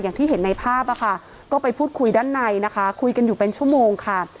อย่างที่เห็นในภาพอะค่ะก็ไปพูดคุยด้านในนะคะคุยกันอยู่เป็นชั่วโมงค่ะ